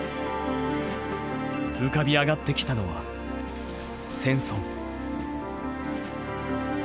浮かび上がってきたのは戦争。